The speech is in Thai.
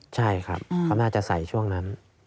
ใช่ครับเขาน่าจะใส่ช่วงนั้น